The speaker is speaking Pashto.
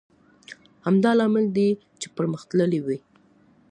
همدا لامل دی چې پرمختللی وي.